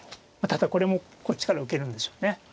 ただこれもこっちから受けるんでしょうね。